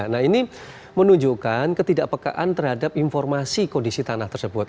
nah ini menunjukkan ketidakpekaan terhadap informasi kondisi tanah tersebut